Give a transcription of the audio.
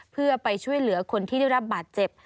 เพื่อไปช่วยเหลือคนที่ได้รับบาดเจ็บ